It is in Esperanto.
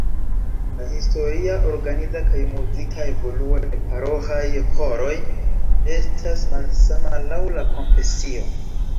La historia, organiza kaj muzika evoluo de paroĥaj ĥoroj estas malsama laŭ la konfesio.